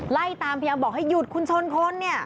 ไล่ตามพยายามบอกให้หยุดคุณชนคนเนี่ย